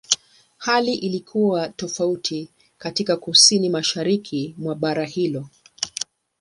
Hali ilikuwa tofauti katika Kusini-Mashariki mwa bara hilo.